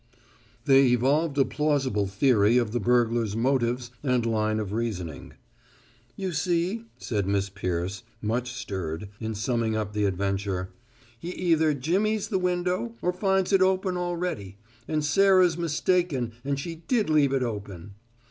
They evolved a plausible theory of the burglar's motives and line of reasoning. "You see," said Miss Peirce, much stirred, in summing up the adventure, "he either jimmies the window, or finds it open already, and Sarah's mistaken and she did leave it open!